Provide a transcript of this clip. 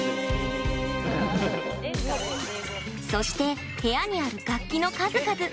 そして、部屋にある楽器の数々。